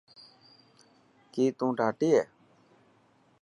ڪي تون ڌاٽي هي.